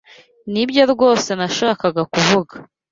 Nibyo rwose nashakaga kuvuga.